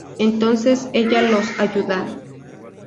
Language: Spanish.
Entonces, ella los ayuda.